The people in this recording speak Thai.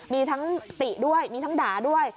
มีทั้งติด้วยมีทั้งด่าด้วย